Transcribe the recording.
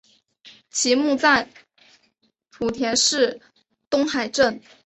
其墓在莆田市东海镇。